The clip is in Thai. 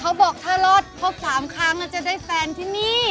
เขาบอกถ้ารอดครบ๓ครั้งจะได้แฟนที่นี่